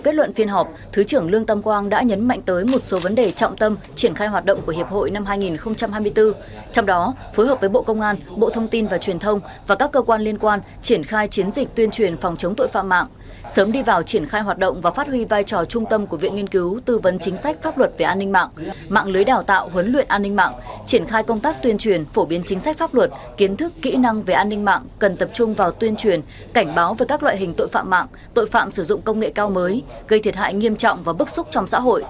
thượng tướng lương tam quang đã nhấn mạnh tới một số vấn đề trọng tâm triển khai hoạt động của hiệp hội năm hai nghìn hai mươi bốn trong đó phối hợp với bộ công an bộ thông tin và truyền thông và các cơ quan liên quan triển khai chiến dịch tuyên truyền phòng chống tội phạm mạng sớm đi vào triển khai hoạt động và phát huy vai trò trung tâm của viện nghiên cứu tư vấn chính sách pháp luật về an ninh mạng mạng lưới đào tạo huấn luyện an ninh mạng triển khai công tác tuyên truyền phổ biến chính sách pháp luật kiến thức kỹ năng về an ninh mạng cần